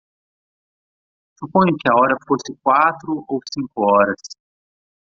Suponho que a hora fosse quatro ou cinco horas.